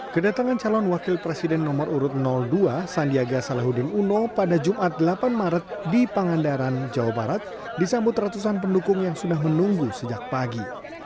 kedatangan calon wakil presiden nomor urut dua sandiaga salahuddin uno pada jumat delapan maret di pangandaran jawa barat disambut ratusan pendukung yang sudah menunggu sejak pagi